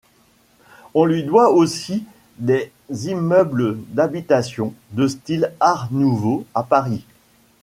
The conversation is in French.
On lui doit aussi des immeubles d'habitation de style Art nouveau à Paris.